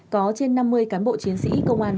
có trên năm mươi cán bộ chiến sĩ công an